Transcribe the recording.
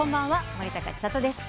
森高千里です。